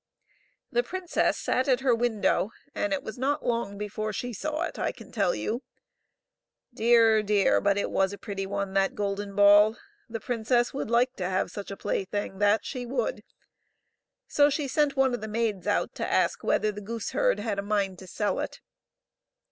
The princess sat at her window, and it was not long before she saw it, I can tell you. Dear, dear, but it was a pretty one, the golden ball. The princess would like to have such a plaything, that she would ; so she sent one of the maids out to ask whether the gooseherd had a mind to sell it.